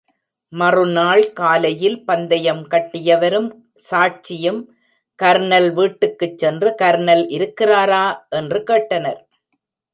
மறுநாள் காலையில், பந்தயம் கட்டியவரும் சாட்சியும் கர்னல் வீட்டுக்குச் சென்று, கர்னல் இருக்கிறாரா? என்று கேட்டனர்.